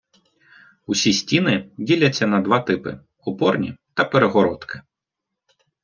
Усі стіни діляться на два типи: опорні та перегородки.